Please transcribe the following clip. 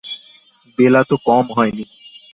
বেলা তো কম হয় নি।